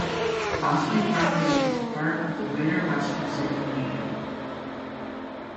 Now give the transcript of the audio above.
Bossley Park is part of the Greater Western Sydney region.